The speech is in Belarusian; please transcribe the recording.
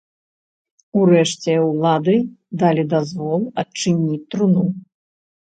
Урэшце ўлады далі дазвол адчыніць труну.